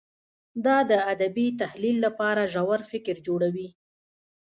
دا د ادبي تحلیل لپاره ژور فکر جوړوي.